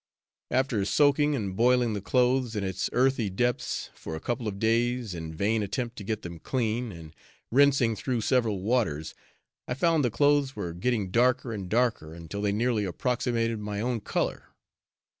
After soaking and boiling the clothes in its earthy depths, for a couple of days, in vain attempt to get them clean, and rinsing through several waters, I found the clothes were getting darker and darker, until they nearly approximated my own color.